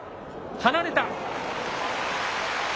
離れた。